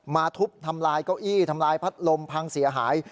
ทุบทำลายเก้าอี้ทำลายพัดลมพังเสียหาย